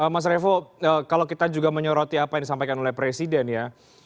mas revo kalau kita juga menyoroti apa yang disampaikan oleh presiden ya